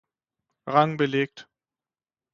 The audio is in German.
Rang belegt.